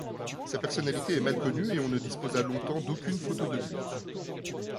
Sa personnalité est mal connue et on ne disposa longtemps d’aucune photo de lui.